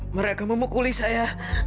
mereka memukul saya